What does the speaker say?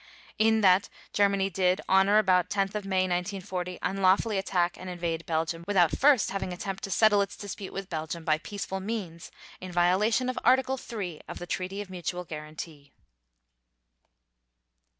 (5) In that Germany did, on or about 10 May 1940, unlawfully attack and invade Belgium, without first having attempted to settle its dispute with Belgium by peaceful means, in violation of Article 3 of the Treaty of Mutual Guarantee.